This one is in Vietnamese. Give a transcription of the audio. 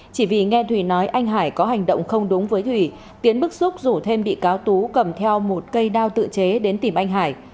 chỉ vì nghe thùy nói anh hải có hành động không đúng với thủy tiến bức xúc rủ thêm bị cáo tú cầm theo một cây đao tự chế đến tìm anh hải